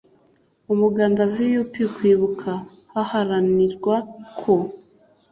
umuganda vup kwibuka haharanirwa ko